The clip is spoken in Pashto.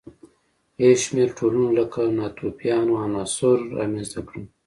یو شمېر ټولنو لکه ناتوفیانو عناصر رامنځته کړل.